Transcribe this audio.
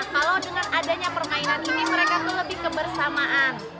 kalau dengan adanya permainan ini mereka itu lebih kebersamaan